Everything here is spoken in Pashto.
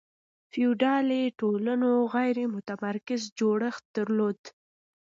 فیوډالي ټولنو غیر متمرکز جوړښت درلود.